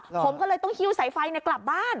ผมก็เลยต้องหิ้วสายไฟกลับบ้าน